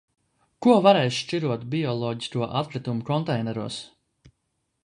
Ko varēs šķirot bioloģisko atkritumu konteineros?